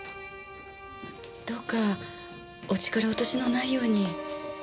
どうかお力落としのないように。